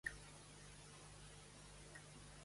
Què va decidir fer-li Fafnir?